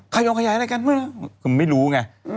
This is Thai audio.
ขายายอะไรกันไม่รู้ไง